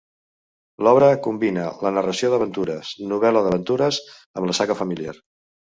L'obra combina la narració d'aventures Novel·la d'aventures amb la saga familiar.